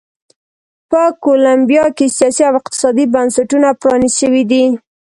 په کولمبیا کې سیاسي او اقتصادي بنسټونه پرانیست شوي دي.